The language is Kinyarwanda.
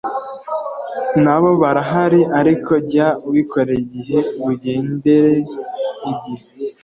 nabo barahari ariko jya ubikorera igihe bugendere igihe